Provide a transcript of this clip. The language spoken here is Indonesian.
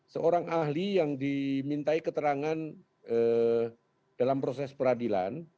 seorang ahli yang dimintai keterangan dalam proses peradilan